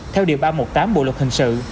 theo điều ba trăm một mươi tám bộ luật hình sự